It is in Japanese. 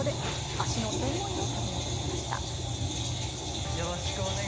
足の専門医を訪ねてきました。